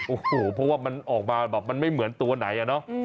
โอ้โหเพราะว่ามันออกมาแบบมันไม่เหมือนตัวไหนอะเนาะ